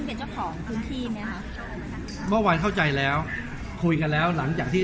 เป็นเจ้าของพื้นที่ไหมคะเมื่อวานเข้าใจแล้วคุยกันแล้วหลังจากที่